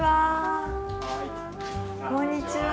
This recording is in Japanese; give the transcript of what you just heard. こんにちは。